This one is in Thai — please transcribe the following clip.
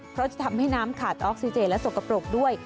เพราะจะทำให้น้ำขาดออกซิเจนและสกปรกด้วย